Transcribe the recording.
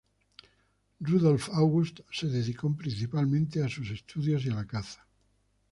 Rudolf August se dedicó principalmente, a sus estudios y a la caza.